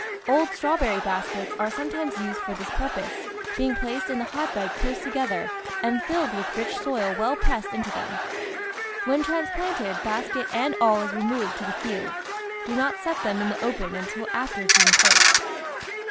Old strawberry baskets are sometimes used for this purpose, being placed in the hotbed close together and filled with rich soil well pressed into them; when transplanted, basket and all is removed to the field. Do not set them in the open until after June 1st.